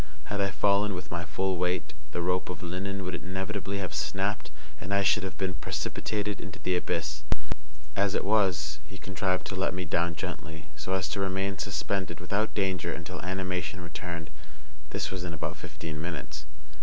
Had I fallen with my full weight, the rope of linen would inevitably have snapped, and I should have been precipitated into the abyss; as it was, he contrived to let me down gently, so as to remain suspended without danger until animation returned. This was in about fifteen minutes.